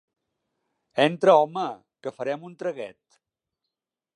Entra, home, que farem un traguet.